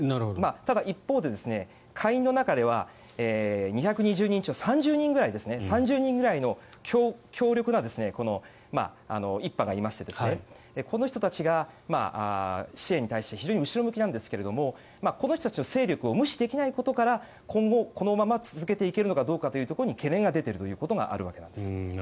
ただ一方で、下院の中では２２０人中３０人くらいの強力な一派がいましてこの人たちが支援に対して非常に後ろ向きなんですがこの人たちの勢力を無視できないことから今後、このまま続けていけるかどうかに懸念が出ているということがあるわけです。